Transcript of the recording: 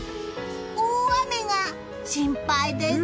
大雨が心配です。